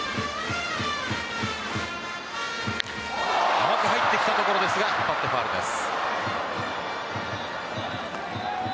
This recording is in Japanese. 甘く入ってきたところですが引っ張ってファウルです。